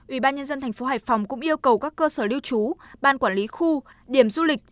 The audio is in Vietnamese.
ủy ban nhân dân thành phố hải phòng cũng yêu cầu các cơ sở lưu trú ban quản lý khu điểm du lịch